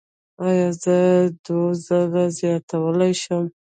ایا زه دوز زیاتولی شم؟